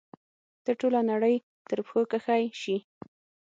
ته ټوله نړۍ تر پښو کښی شي